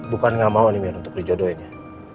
bukan gak mau nih untuk dijodohin ya